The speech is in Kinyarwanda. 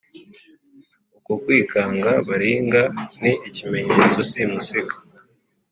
Uko kwikanga baringa, Ni ikimenyetso simusiga,